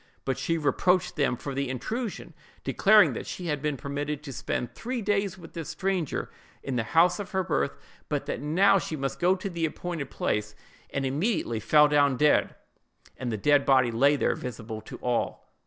But she reproached them for the intrusion, declaring that she had been permitted to spend three days with this stranger, in the house of her birth; but that now she must go to the appointed place; and immediately fell down dead, and the dead body lay there visible to all.